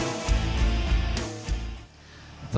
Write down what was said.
สวัสดีครับ